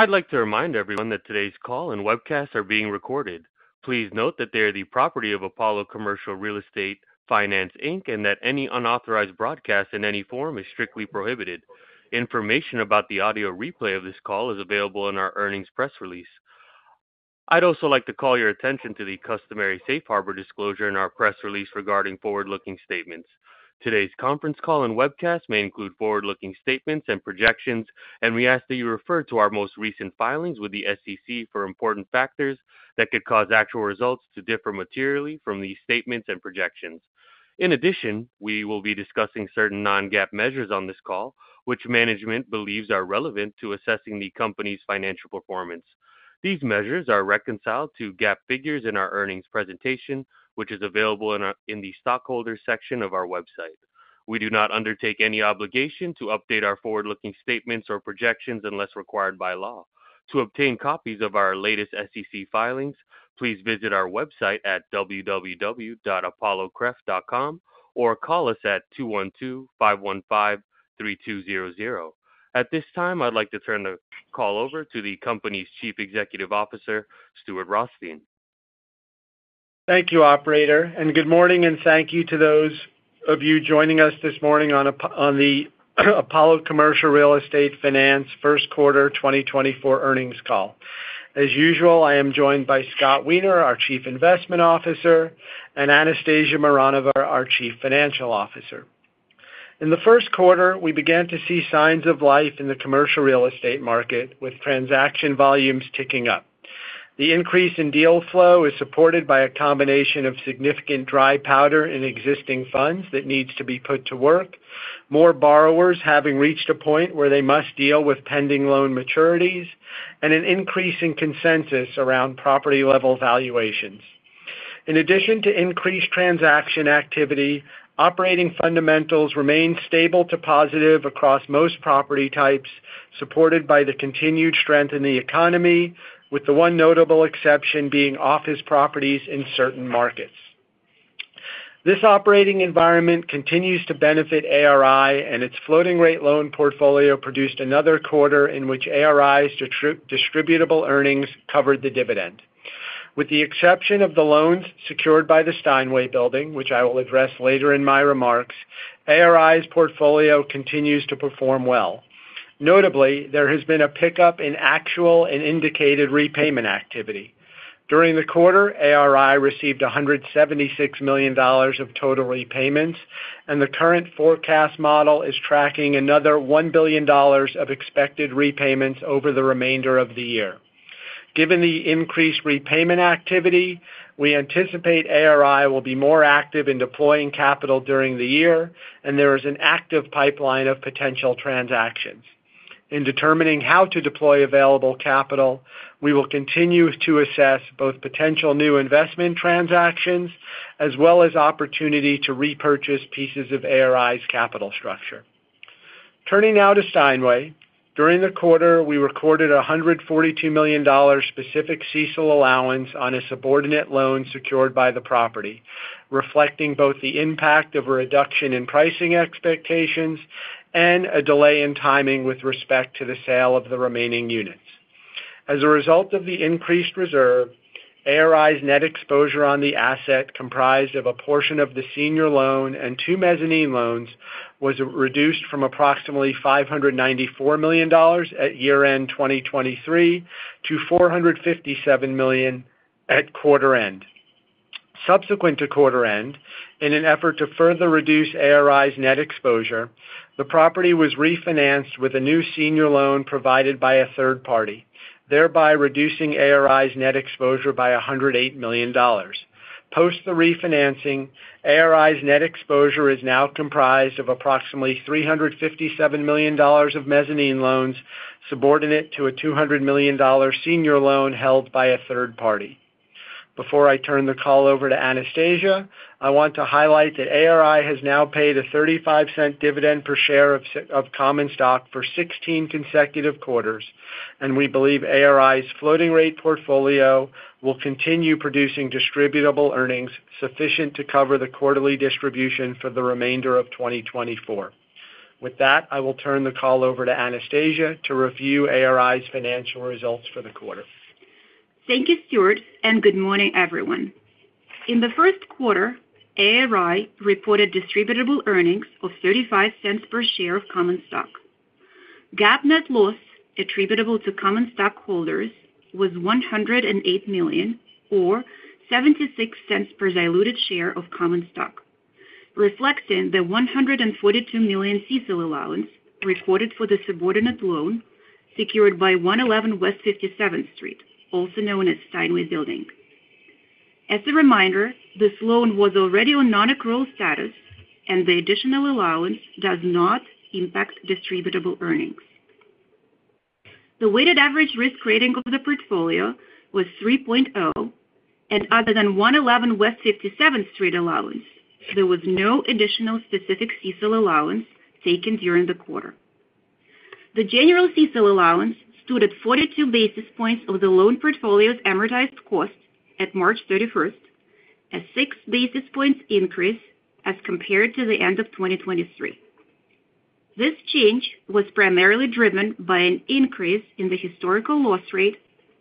I'd like to remind everyone that today's call and webcast are being recorded. Please note that they are the property of Apollo Commercial Real Estate Finance, Inc. and that any unauthorized broadcast in any form is strictly prohibited. Information about the audio replay of this call is available in our earnings press release. I'd also like to call your attention to the customary safe harbor disclosure in our press release regarding forward-looking statements. Today's conference call and webcast may include forward-looking statements and projections, and we ask that you refer to our most recent filings with the SEC for important factors that could cause actual results to differ materially from these statements and projections. In addition, we will be discussing certain non-GAAP measures on this call, which management believes are relevant to assessing the company's financial performance. These measures are reconciled to GAAP figures in our earnings presentation, which is available in the stockholders section of our website. We do not undertake any obligation to update our forward-looking statements or projections unless required by law. To obtain copies of our latest SEC filings, please visit our website at www.apollocref.com, or call us at 212-515-3200. At this time, I'd like to turn the call over to the company's Chief Executive Officer, Stuart Rothstein. Thank you, Operator, and good morning, and thank you to those of you joining us this morning on the Apollo Commercial Real Estate Finance Q1 2024 Earnings Call. As usual, I am joined by Scott Weiner, our Chief Investment Officer, and Anastasia Mironova, our Chief Financial Officer. In the Q1, we began to see signs of life in the commercial real estate market, with transaction volumes ticking up. The increase in deal flow is supported by a combination of significant dry powder in existing funds that needs to be put to work, more borrowers having reached a point where they must deal with pending loan maturities, and an increase in consensus around property-level valuations. In addition to increased transaction activity, operating fundamentals remained stable to positive across most property types, supported by the continued strength in the economy, with the one notable exception being office properties in certain markets. This operating environment continues to benefit ARI, and its floating-rate loan portfolio produced another quarter in which ARI's Distributable Earnings covered the dividend. With the exception of the loans secured by the Steinway Building, which I will address later in my remarks, ARI's portfolio continues to perform well. Notably, there has been a pickup in actual and indicated repayment activity. During the quarter, ARI received $176 million of total repayments, and the current forecast model is tracking another $1 billion of expected repayments over the remainder of the year. Given the increased repayment activity, we anticipate ARI will be more active in deploying capital during the year, and there is an active pipeline of potential transactions. In determining how to deploy available capital, we will continue to assess both potential new investment transactions, as well as opportunity to repurchase pieces of ARI's capital structure. Turning now to Steinway. During the quarter, we recorded $142 million specific CECL allowance on a subordinate loan secured by the property, reflecting both the impact of a reduction in pricing expectations and a delay in timing with respect to the sale of the remaining units. As a result of the increased reserve, ARI's net exposure on the asset, comprised of a portion of the senior loan and two mezzanine loans, was reduced from approximately $594 million at year-end 2023 to $457 million at quarter end. Subsequent to quarter end, in an effort to further reduce ARI's net exposure, the property was refinanced with a new senior loan provided by a third party, thereby reducing ARI's net exposure by $108 million. Post the refinancing, ARI's net exposure is now comprised of approximately $357 million of mezzanine loans, subordinate to a $200 million senior loan held by a third party. Before I turn the call over to Anastasia, I want to highlight that ARI has now paid a $0.35 dividend per share of common stock for 16 consecutive quarters, and we believe ARI's floating rate portfolio will continue producing distributable earnings sufficient to cover the quarterly distribution for the remainder of 2024. With that, I will turn the call over to Anastasia to review ARI's financial results for the quarter. Thank you, Stuart, and good morning, everyone. In the Q1, ARI reported distributable earnings of $0.35 per share of common stock. GAAP net loss attributable to common stockholders was $108 million, or $0.76 per diluted share of common stock, reflecting the $142 million CECL allowance reported for the subordinate loan secured by One Eleven West 57th Street, also known as Steinway Building. As a reminder, this loan was already on nonaccrual status, and the additional allowance does not impact distributable earnings. The weighted average risk rating of the portfolio was 3.0, and other than One Eleven West 57th Street allowance, there was no additional specific CECL allowance taken during the quarter. The general CECL allowance stood at 42 basis points of the loan portfolio's amortized cost at March 31st. A 6 basis points increase as compared to the end of 2023. This change was primarily driven by an increase in the historical loss rate,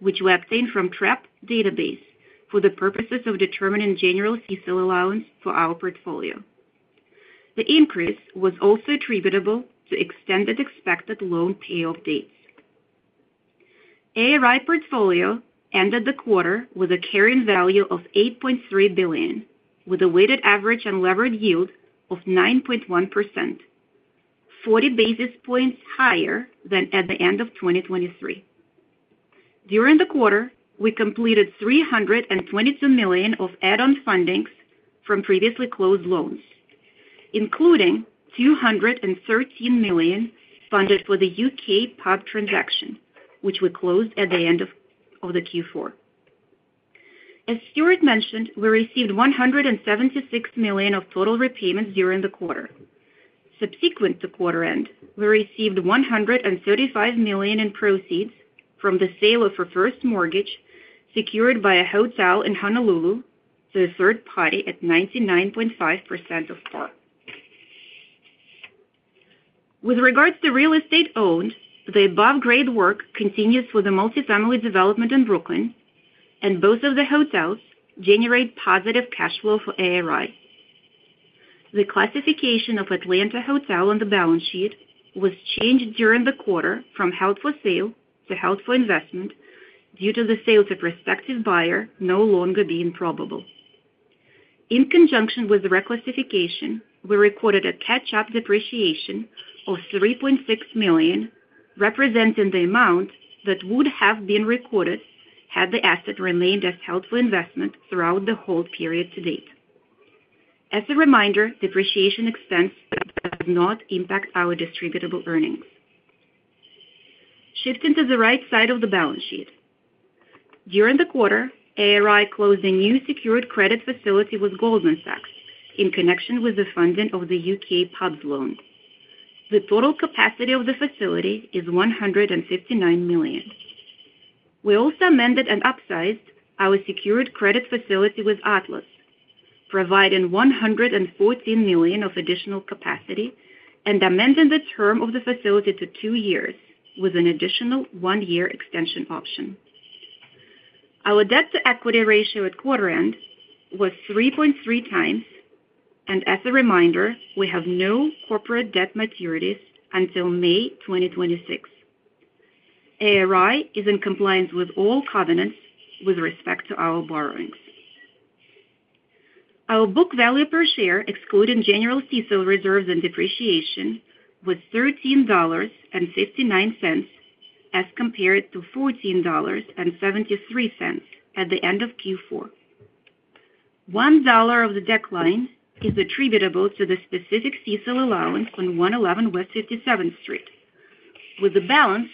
which we obtain from TREPP database for the purposes of determining general CECL allowance for our portfolio. The increase was also attributable to extended expected loan payoff dates. ARI portfolio ended the quarter with a carrying value of $8.3 billion, with a weighted average and levered yield of 9.1%, 40 basis points higher than at the end of 2023. During the quarter, we completed $322 million of add-on fundings from previously closed loans, including $213 million funded for the UK pub transaction, which we closed at the end of the Q4. As Stuart mentioned, we received $176 million of total repayments during the quarter. Subsequent to quarter end, we received $135 million in proceeds from the sale of our first mortgage, secured by a hotel in Honolulu to a third party at 99.5% of PAR. With regards to real estate owned, the above-grade work continues with the multifamily development in Brooklyn, and both of the hotels generate positive cash flow for ARI. The classification of Atlanta Hotel on the balance sheet was changed during the quarter from held for sale to held for investment due to the sale to prospective buyer no longer being probable. In conjunction with the reclassification, we recorded a catch-up depreciation of $3.6 million, representing the amount that would have been recorded had the asset remained as held for investment throughout the hold period to date. As a reminder, depreciation expense does not impact our distributable earnings. Shifting to the right side of the balance sheet. During the quarter, ARI closed a new secured credit facility with Goldman Sachs in connection with the funding of the UK pubs loan. The total capacity of the facility is $159 million. We also amended and upsized our secured credit facility with Atlas, providing $114 million of additional capacity and amending the term of the facility to two years with an additional one-year extension option. Our debt-to-equity ratio at quarter end was 3.3 times, and as a reminder, we have no corporate debt maturities until May 2026. ARI is in compliance with all covenants with respect to our borrowings. Our book value per share, excluding general CECL reserves and depreciation, was $13.59, as compared to $14.73 at the end of Q4. $1 of the decline is attributable to the specific CECL allowance on One Eleven West Fifty-Seventh Street, with the balance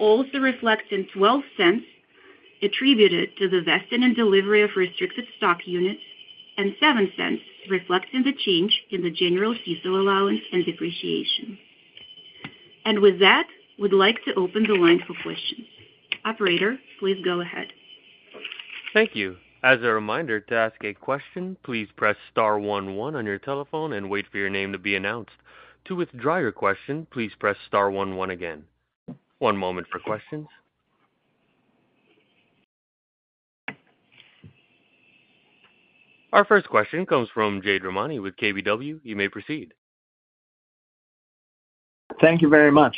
also reflecting $0.12 attributed to the vesting and delivery of restricted stock units and $0.07 reflecting the change in the general CECL allowance and depreciation. And with that, we'd like to open the line for questions. Operator, please go ahead. Thank you. As a reminder, to ask a question, please press star one one on your telephone and wait for your name to be announced. To withdraw your question, please press star one one again. One moment for questions. Our first question comes from Jade Rahmani with KBW. You may proceed. Thank you very much.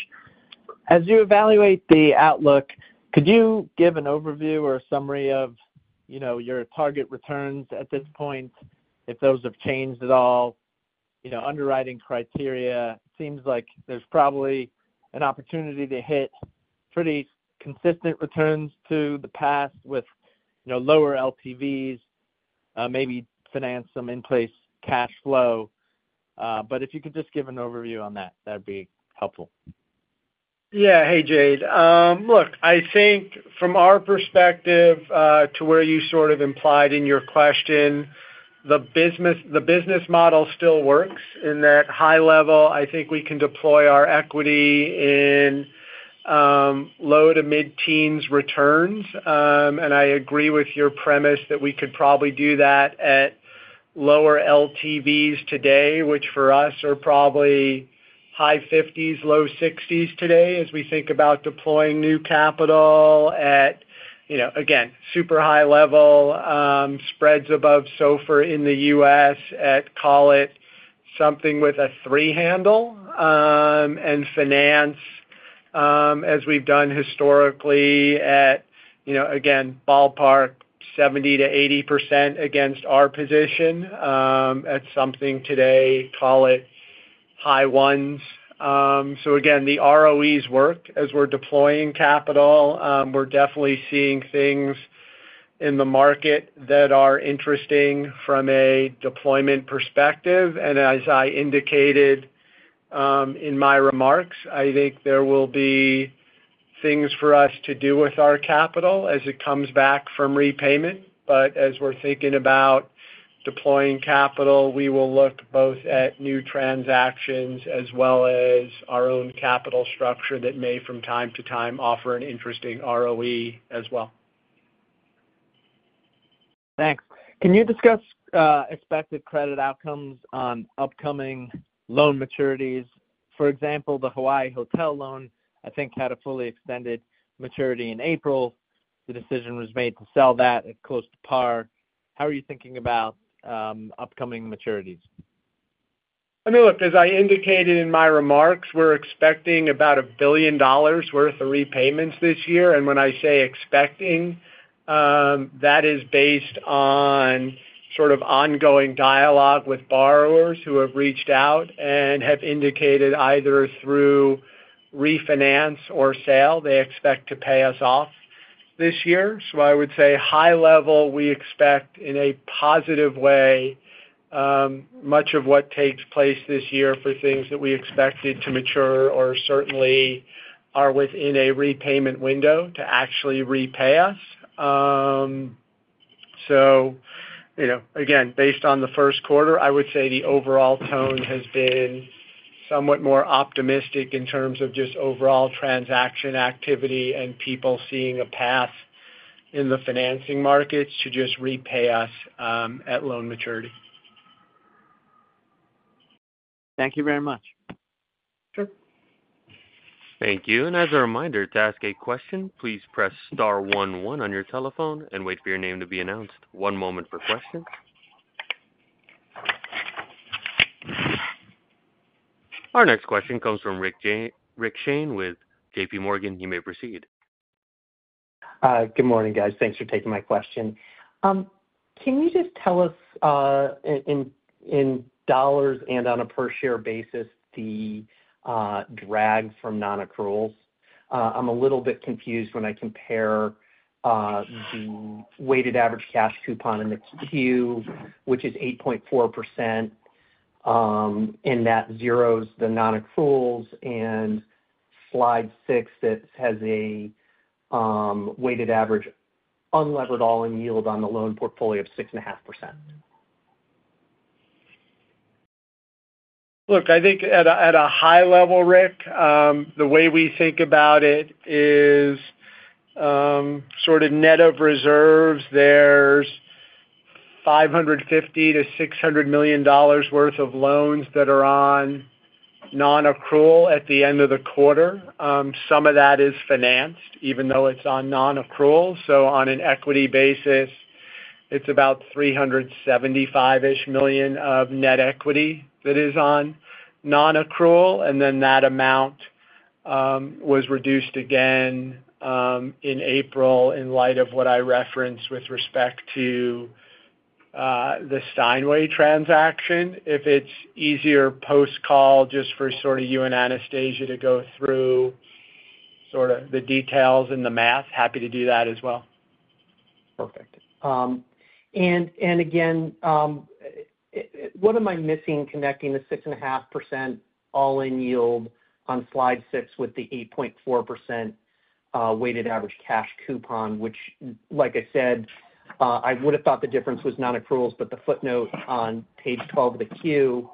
As you evaluate the outlook, could you give an overview or a summary of, you know, your target returns at this point, if those have changed at all? You know, underwriting criteria seems like there's probably an opportunity to hit pretty consistent returns to the past with, you know, lower LTVs, maybe finance some in-place cash flow. But if you could just give an overview on that, that'd be helpful. Yeah. Hey, Jade. Look, I think from our perspective, to where you sort of implied in your question, the business model still works in that high level. I think we can deploy our equity in low to mid-teens returns. And I agree with your premise that we could probably do that at lower LTVs today, which for us are probably high 50s, low 60s today, as we think about deploying new capital at, you know, again, super high level, spreads above SOFR in the US at, call it, something with a three handle, and finance as we've done historically at, you know, again, ballpark 70%-80% against our position, at something today, call it high ones. So again, the ROEs work as we're deploying capital. We're definitely seeing things in the market that are interesting from a deployment perspective. And as I indicated, in my remarks, I think there will be things for us to do with our capital as it comes back from repayment. But as we're thinking about deploying capital, we will look both at new transactions as well as our own capital structure that may, from time to time, offer an interesting ROE as well. Thanks. Can you discuss expected credit outcomes on upcoming loan maturities? For example, the Hawaii hotel loan, I think, had a fully extended maturity in April. The decision was made to sell that at close to par. How are you thinking about upcoming maturities? I mean, look, as I indicated in my remarks, we're expecting about $1 billion worth of repayments this year and when I say expecting, that is based on sort of ongoing dialogue with borrowers who have reached out and have indicated either through refinance or sale, they expect to pay us off this year. So I would say high level, we expect, in a positive way, much of what takes place this year for things that we expected to mature or certainly are within a repayment window to actually repay us. So you know, again, based on the Q1, I would say the overall tone has been somewhat more optimistic in terms of just overall transaction activity and people seeing a path in the financing markets to just repay us, at loan maturity. Thank you very much. Sure. Thank you. As a reminder, to ask a question, please press star one one on your telephone and wait for your name to be announced. One moment for questions. Our next question comes from Rick Shane with JPMorgan. You may proceed. Good morning, guys. Thanks for taking my question. Can you just tell us in dollars and on a per share basis the drag from nonaccruals? I'm a little bit confused when I compare the weighted average cash coupon in the Q, which is 8.4%, and that zeros the nonaccruals, and slide 6, that has a weighted average unlevered all-in yield on the loan portfolio of 6.5%. Look, I think at a high level, Rick, the way we think about it is, sort of net of reserves, there's $550 million-600 million worth of loans that are on nonaccrual at the end of the quarter. Some of that is financed, even though it's on nonaccrual. So on an equity basis, it's about $375 million-ish of net equity that is on nonaccrual, and then that amount was reduced again in April, in light of what I referenced with respect to the Steinway transaction. If it's easier post-call, just for sort of you and Anastasia to go through sort of the details and the math, happy to do that as well. Perfect and again, what am I missing connecting the 6.5% all-in yield on slide 6 with the 8.4% weighted average cash coupon, which, like I said, I would have thought the difference was nonaccruals, but the footnote on page 12 of the Q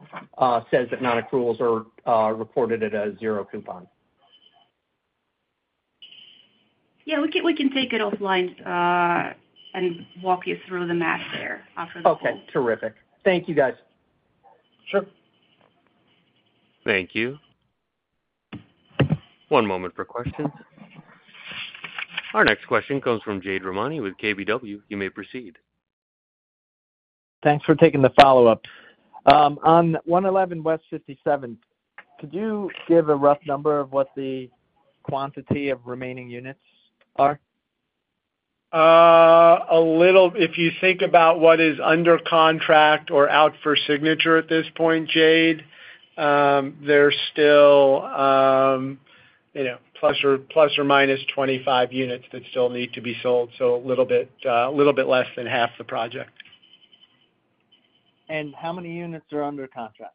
says that nonaccruals are reported at a zero coupon. Yeah, we can, we can take it offline, and walk you through the math there after the call. Okay. Terrific. Thank you, guys. Sure. Thank you. One moment for questions. Our next question comes from Jade Rahmani with KBW. You may proceed. Thanks for taking the follow-up. On One Eleven West Fifty-Seventh, could you give a rough number of what the quantity of remaining units are? A little. If you think about what is under contract or out for signature at this point, Jade, there's still, you know, plus or minus 25 units that still need to be sold, so a little bit, a little bit less than half the project. How many units are under contract?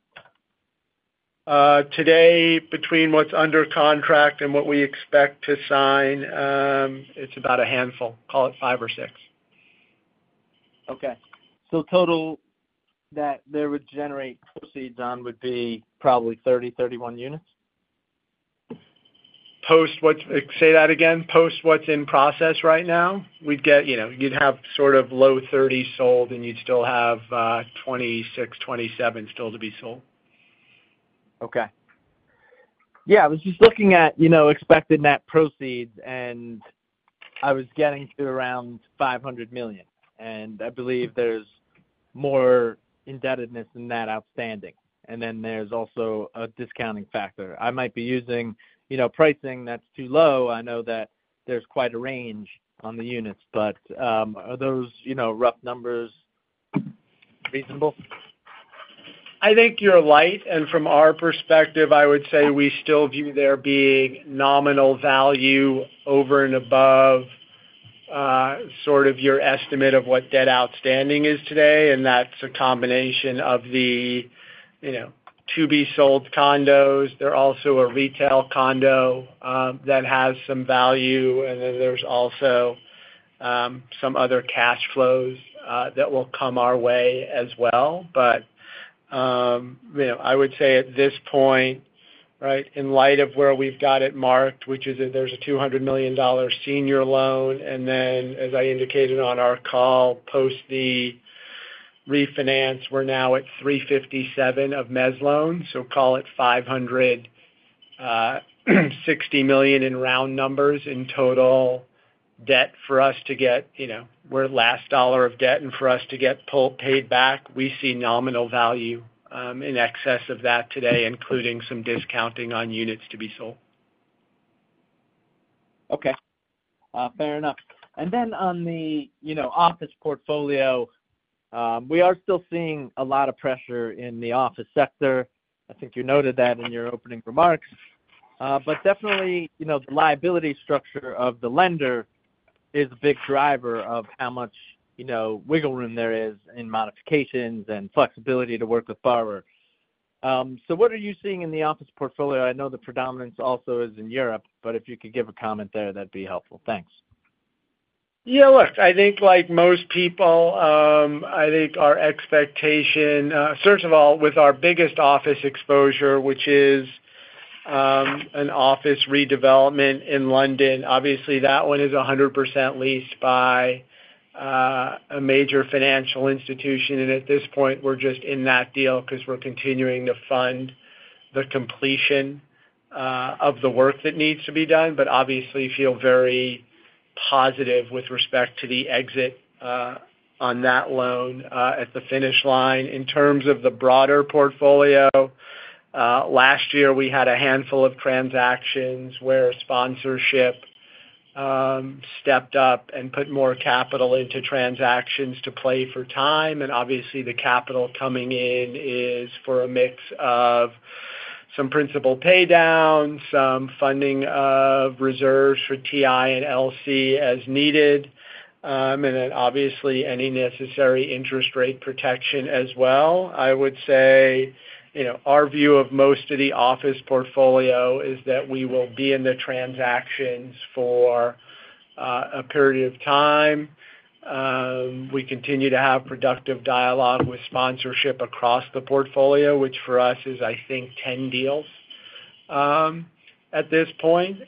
Today, between what's under contract and what we expect to sign, it's about a handful. Call it 5 or 6. Okay. So total that they would generate proceeds on would be probably 30, 31 units? Post what? Say that again. Post what's in process right now? We'd get, you know, you'd have sort of low 30s sold, and you'd still have 26, 27 still to be sold. Okay. Yeah, I was just looking at, you know, expected net proceeds, and I was getting to around $500 million and I believe there's more indebtedness than that outstanding. And then there's also a discounting factor. I might be using, you know, pricing that's too low. I know that there's quite a range on the units, but, are those, you know, rough numbers reasonable? I think you're light, and from our perspective, I would say we still view there being nominal value over and above, sort of your estimate of what debt outstanding is today, and that's a combination of the, you know, to-be-sold condos. There are also a retail condo that has some value, and then there's also some other cash flows that will come our way as well. But, you know, I would say at this point, right, in light of where we've got it marked, which is that there's a $200 million senior loan, and then as I indicated on our call, post the refinance, we're now at $357 million of mezz loans, so call it $560 million in round numbers in total debt for us to get, you know, we're last dollar of debt, and for us to get fully paid back, we see nominal value in excess of that today, including some discounting on units to be sold. Okay, fair enough. And then on the, you know, office portfolio, we are still seeing a lot of pressure in the office sector. I think you noted that in your opening remarks. But definitely, you know, the liability structure of the lender is a big driver of how much, you know, wiggle room there is in modifications and flexibility to work with borrowers. So what are you seeing in the office portfolio? I know the predominance also is in Europe, but if you could give a comment there, that'd be helpful. Thanks. Yeah, look, I think like most people, I think our expectation, first of all, with our biggest office exposure, which is, an office redevelopment in London, obviously that one is 100% leased by, a major financial institution and at this point, we're just in that deal because we're continuing to fund the completion, of the work that needs to be done. But obviously feel very positive with respect to the exit, on that loan, at the finish line. In terms of the broader portfolio, last year, we had a handful of transactions where sponsorship, stepped up and put more capital into transactions to play for time. Obviously, the capital coming in is for a mix of some principal pay down, some funding of reserves for TI and LC as needed, and then obviously, any necessary interest rate protection as well. I would say, you know, our view of most of the office portfolio is that we will be in the transactions for a period of time. We continue to have productive dialogue with sponsorship across the portfolio, which for us is, I think, 10 deals at this point.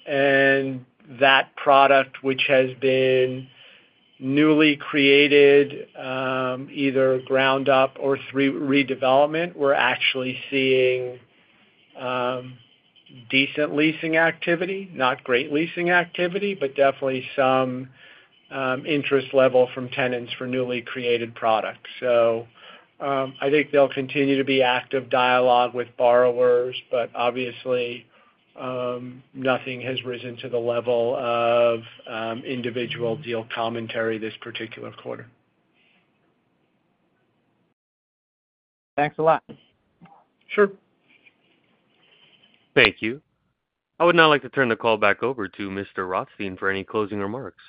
That product, which has been newly created either ground up or through redevelopment, we're actually seeing decent leasing activity, not great leasing activity, but definitely some interest level from tenants for newly created products. So, I think there'll continue to be active dialogue with borrowers, but obviously, nothing has risen to the level of individual deal commentary this particular quarter. Thanks a lot. Sure. Thank you. I would now like to turn the call back over to Mr. Rothstein for any closing remarks.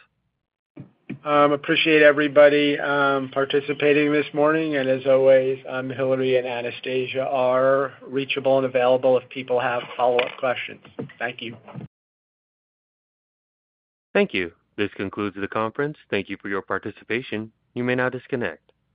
Appreciate everybody participating this morning. As always, Hilary and Anastasia are reachable and available if people have follow-up questions. Thank you. Thank you. This concludes the conference. Thank you for your participation. You may now disconnect.